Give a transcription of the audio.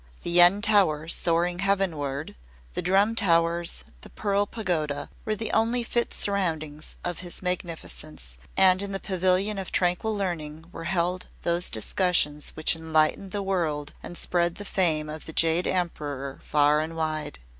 The Yen Tower soaring heavenward, the Drum Towers, the Pearl Pagoda, were the only fit surroundings of his magnificence; and in the Pavilion of Tranquil Learning were held those discussions which enlightened the world and spread the fame of the Jade Emperor far and wide.